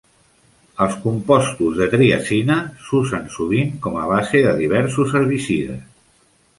Els compostos de triazina s'usen sovint com a base de diversos herbicides.